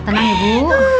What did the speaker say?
tenang ya bu